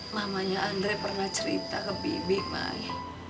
mamanya andre pernah cerita ke bibi pak